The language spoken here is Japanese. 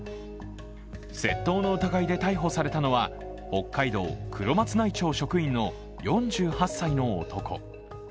窃盗の疑いで逮捕されたのは、北海道黒松内町職員の４８歳の男。